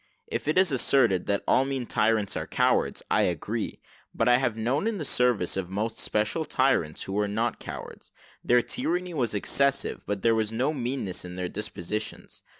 If it is asserted that all mean tyrants are cowards, I agree: but I have known in the service most special tyrants, who were not cowards: their tyranny was excessive, but there was no meanness in there dispositions.